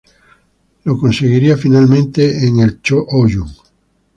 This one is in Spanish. Lo conseguiría finalmente en el Cho Oyu.